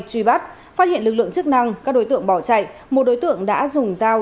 truy bắt phát hiện lực lượng chức năng các đối tượng bỏ chạy một đối tượng đã dùng dao